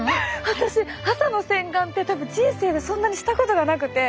私朝の洗顔って人生でそんなにしたことがなくて。